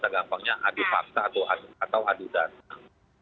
segampangnya adi fakta atau adi data